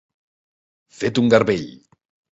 Fet un garbell.